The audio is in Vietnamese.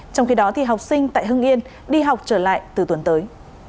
trong khi đó học sinh tại hưng yên đi học trở lại từ tuần tới